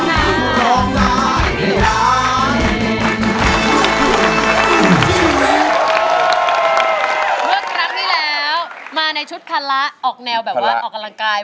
คุณกำลังมาในชุดคันละออกแนวแบบว่าออกกำลังกาย